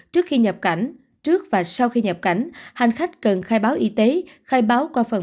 trước khi nhập cảnh trước và sau khi nhập cảnh hành khách cần khai báo y tế khai báo qua phần